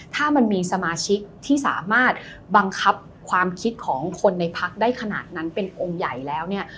ถ้ามันมีสมาชิกที่สามารถบังคับความคิดของคนในพักได้ขนาดนั้นเป็นองค์ใหญ่แล้วเนี่ย